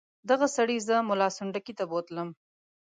دغه سړي زه ملا سنډکي ته بوتلم.